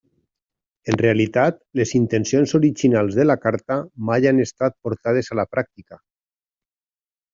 En realitat, les intencions originals de la Carta mai han estat portades a la pràctica.